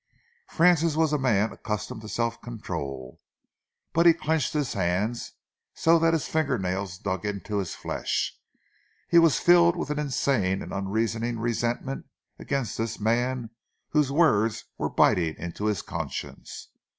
Francis was a man accustomed to self control, but he clenched his hands so that his finger nails dug into his flesh. He was filled with an insane and unreasoning resentment against this man whose words were biting into his conscience.